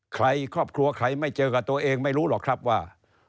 ครอบครัวใครไม่เจอกับตัวเองไม่รู้หรอกครับว่า